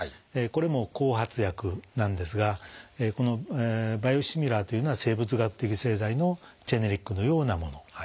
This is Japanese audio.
これも後発薬なんですがこのバイオシミラーというのは生物学的製剤のジェネリックのようなもの。